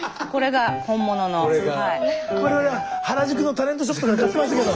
我々は原宿のタレントショップなんか行ってましたけど。